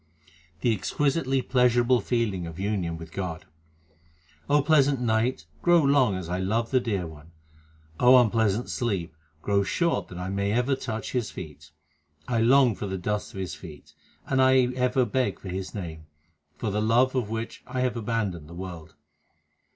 The exquisitely pleasurable feeling of union with God: O pleasant night, grow long as I love the Dear One ; unpleasant sleep, grow short that I may ever touch His feet. 1 long for the dust of His feet, and I ever beg for His name for the love of which I have abandoned the world.